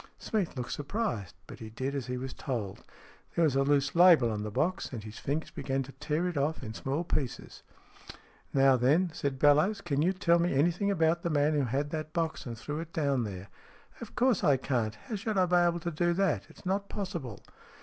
Smeath looked surprised, but he did as he was told. There was a loose label on the box, and his fingers began to tear it off in small pieces. SMEATH ii " Now then," said Bellowes, <k can you tell me anything about the man who had that box, and threw it down there ?"" Of course I can't. How should I be able to do that? It's not possible."